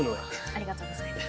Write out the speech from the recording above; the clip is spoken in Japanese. ありがとうございます。